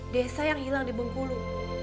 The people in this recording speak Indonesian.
desa yang hilang di bengkulu